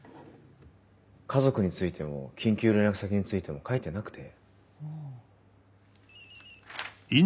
家族についても緊急連絡先についても書いてなくて。